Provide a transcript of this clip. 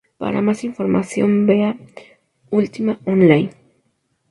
Para más información vea "Ultima Online".